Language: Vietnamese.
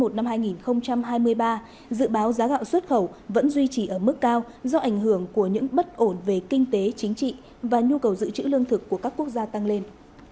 năm hai nghìn hai mươi ba dự báo giá gạo xuất khẩu vẫn duy trì ở mức cao do ảnh hưởng của những bất ổn về kinh tế chính trị và nhu cầu dự trữ lương thực của các quốc gia tăng lên